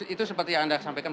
itu seperti yang anda sampaikan